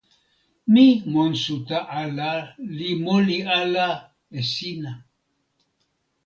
mi monsuta ala li moli ala e sina.